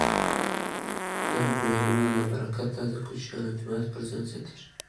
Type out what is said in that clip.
د مېلو له برکته د کوچنیانو اعتماد پر ځان زیاتېږي.